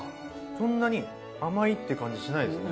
そんなに甘いって感じしないですね。